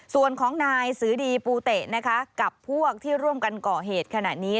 ส่วนของนายสือดีปูเตะนะคะกับพวกที่ร่วมกันก่อเหตุขณะนี้